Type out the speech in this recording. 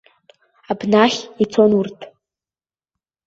Абнахь ицон урҭ.